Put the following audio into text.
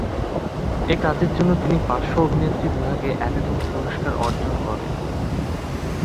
এই কাজের জন্য তিনি শ্রেষ্ঠ পার্শ্ব অভিনেত্রী বিভাগে একাডেমি পুরস্কার অর্জন করেন।